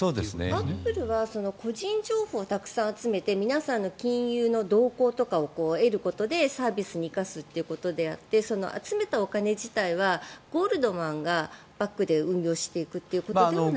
アップルは個人情報をたくさん集めて皆さんの金融の動向とかを得ることでサービスに生かすということであって集めたお金自体はゴールドマンがバックで運用していくということではないんですか？